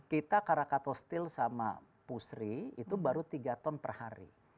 kita karakato steel sama pusri itu baru tiga ton per hari